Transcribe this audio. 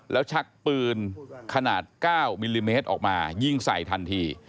แล้วชักปืนขนาด๙มิลลิเมตรออกมายิงใส่ทันที